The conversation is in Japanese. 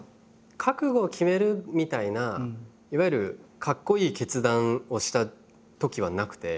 覚悟を決めるみたいないわゆるかっこいい決断をしたときはなくて。